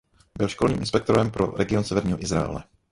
Byl školním inspektorem pro region severního Izraele.